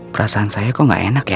perasaan saya kok gak enak ya